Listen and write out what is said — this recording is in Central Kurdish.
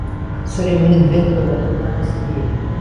سەری منت بێتهوه به قوربانی سهرييه